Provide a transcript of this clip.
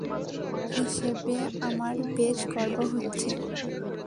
Samurai হিসেবে আমার বেশ গর্ব হচ্ছে।